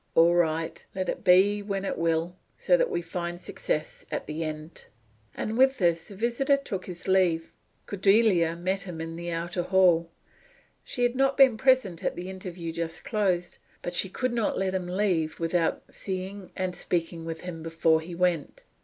"All right. Let it be when it will, so that we find success at the end." And with this the visitor took his leave. Cordelia met him in the outer hall. She had not been present at the interview just closed; but she could not let him go without seeing, and speaking with him before he went.